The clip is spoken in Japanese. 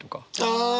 ああ。